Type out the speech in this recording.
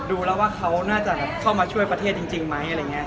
ดูแล้วว่าเขาน่าจะเข้ามาช่วยประเทศจริงไหมอะไรอย่างนี้